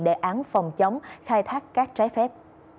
đề án phòng chống khai thác cát trái phép